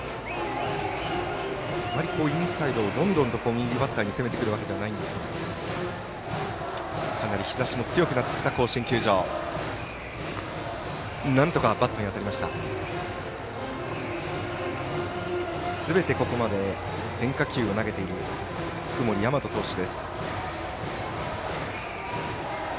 インサイドをどんどんと右バッターに攻めてくるわけではないですがかなり日ざしも強くなってきた甲子園球場。すべて、ここまで変化球を投げている福盛大和投手。